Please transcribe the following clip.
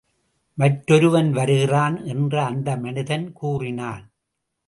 மற்றொருவன் வருகிறான்! என்று அந்த மனிதன் கூறினான்.